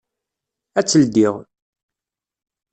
Ad tt-ldiɣ.